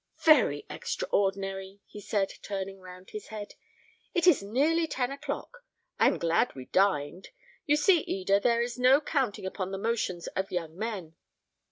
"Very extraordinary!" he said, turning round his head; "it is nearly ten o'clock; I am glad we dined. You see, Eda, there is no counting upon the motions of young men."